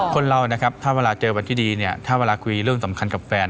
คนเรานะครับถ้าเวลาเจอวันที่ดีเนี่ยถ้าเวลาคุยเรื่องสำคัญกับแฟน